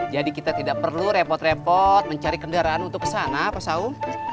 jadi kita tidak perlu repot repot mencari kendaraan untuk ke sana pasau